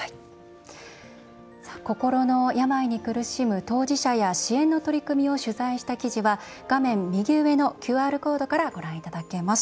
心の病に苦しむ当事者や支援の取り組みを取材した記事は画面右上のＱＲコードからご覧いただけます。